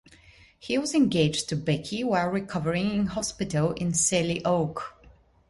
He was engaged to Becky while recovering in hospital in Selly Oak.